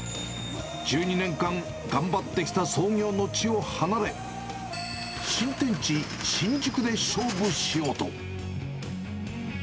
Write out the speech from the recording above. １２年間、頑張ってきた創業の地を離れ、新天地、新宿で勝負しようと。